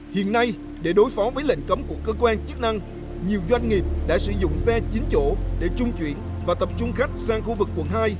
hiện nay để đối phó với lệnh cấm của cơ quan chức năng nhiều doanh nghiệp đã sử dụng xe chín chỗ để trung chuyển và tập trung khách sang khu vực quận hai